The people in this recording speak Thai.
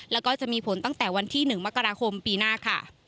แล้วก็จะมีผลตั้งแต่วันที่๑มกราคมปีหน้าค่ะ